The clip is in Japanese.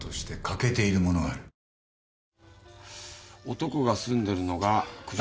男が住んでるのが九条